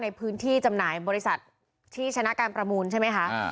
ในพื้นที่จำหน่ายบริษัทที่ชนะการประมูลใช่ไหมคะ